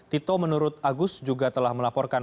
tito menurut agus juga telah melaporkan